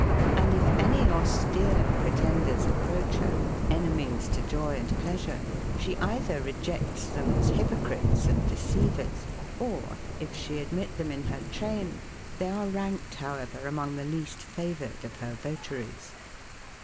And if any austere pretenders approach her, enemies to joy and pleasure, she either rejects them as hypocrites and deceivers; or, if she admit them in her train, they are ranked, however, among the least favoured of her votaries.